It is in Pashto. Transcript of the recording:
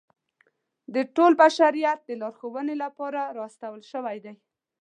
د ټول بشریت د لارښودنې لپاره را استول شوی دی.